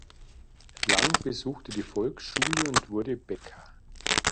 Lang besuchte die Volksschule und wurde Bäcker.